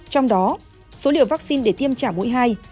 trong đó số liều vaccine để tiêm trả mũi hai